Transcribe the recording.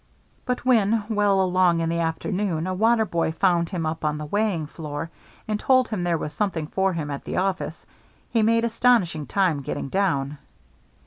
But when, well along in the afternoon, a water boy found him up on the weighing floor and told him there was something for him at the office, he made astonishing time getting down.